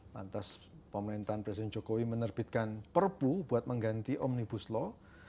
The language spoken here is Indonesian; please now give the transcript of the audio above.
lantas pemerintahan presiden jokowi menerbitkan perpu buat mengganti omnibus law